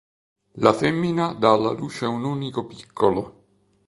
La femmina dà alla luce un unico piccolo.